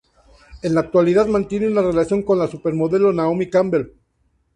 En la actualidad mantiene una relación con la supermodelo Naomi Campbell.